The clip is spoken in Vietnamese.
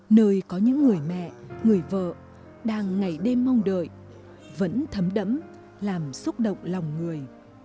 nơi có những người mẹ người vợ đang ngày đêm mong đợi vẫn thấm đẫm làm xúc động lòng người